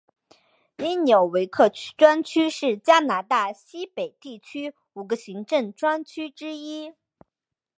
因纽维克专区是加拿大西北地区五个行政专区之一。